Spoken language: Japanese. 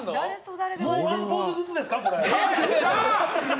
もうワンポーズずつですか？